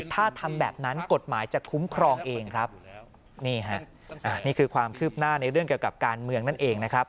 ถ้าทำแบบนั้นกฎหมายจะคุ้มครองเองครับนี่ฮะนี่คือความคืบหน้าในเรื่องเกี่ยวกับการเมืองนั่นเองนะครับ